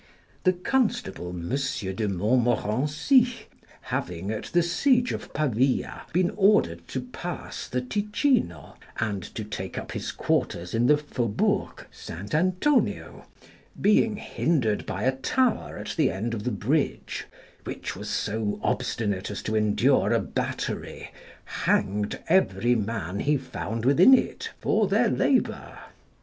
The Constable Monsieur de Montmorenci, having at the siege of Pavia been ordered to pass the Ticino, and to take up his quarters in the Faubourg St. Antonio, being hindered by a tower at the end of the bridge, which was so obstinate as to endure a battery, hanged every man he found within it for their labour.